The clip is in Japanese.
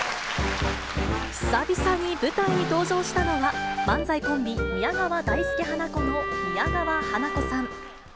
久々に舞台に登場したのは、漫才コンビ、宮川大助・花子の宮川花子さん。